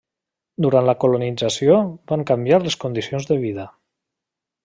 Durant la colonització van canviar les condicions de vida.